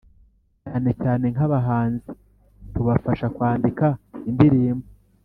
cyane cyane nk’abahanzi, tubafasha kwandika indirimbo